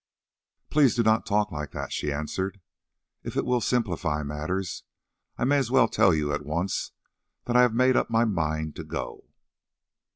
"Please do not talk like that," she answered. "If it will simplify matters I may as well tell you at once that I have made up my mind to go."